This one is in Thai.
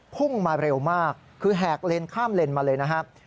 พุ่งมาเร็วมากคือแหกเลนข้ามเลนมาเลยนะครับ